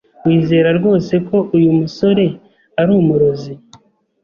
Wizera rwose ko uyu musore ari umurozi?